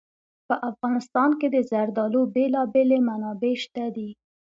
په افغانستان کې د زردالو بېلابېلې منابع شته دي.